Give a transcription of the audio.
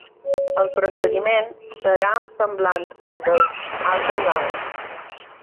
El procediment serà semblant al dels altres anys.